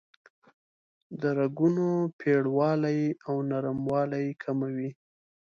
د رګونو پیړوالی او نرموالی کموي.